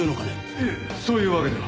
いえそういうわけでは。